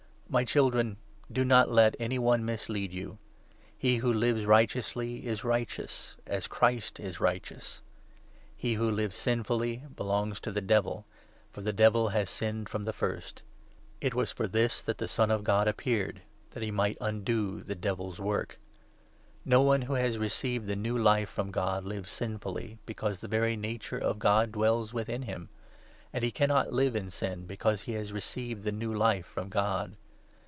My Children, do not let any one mislead you. He who lives righteously is righteous — as Christ is righteous. He who lives sinfully belongs to the Devil, for the Devil has sinned from the first. It was for this that the Son of God appeared, that he might undo the Devil's work. No one who has received the new Life from God lives sinfully, because the very nature of God dwells within him ; and he cannot live in sin, because he has received the new Life from God.